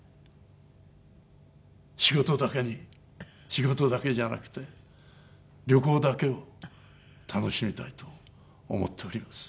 仕事だけに仕事だけじゃなくて旅行だけを楽しみたいと思っております。